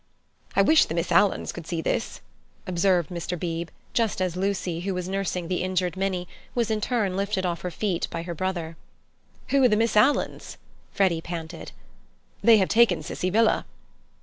"I wish the Miss Alans could see this," observed Mr. Beebe, just as Lucy, who was nursing the injured Minnie, was in turn lifted off her feet by her brother. "Who are the Miss Alans?" Freddy panted. "They have taken Cissie Villa."